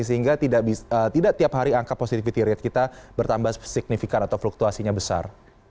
sehingga tidak tiap hari angka positivity rate kita bertambah signifikan atau fluktuasinya besar